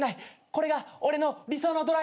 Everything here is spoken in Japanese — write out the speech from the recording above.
これが俺の理想のドライブデート。